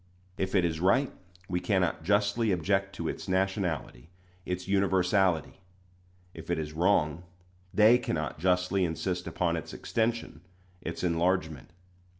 If it is right, we cannot justly object to its nationality its universality; if it is wrong, they cannot justly insist upon its extension its enlargement.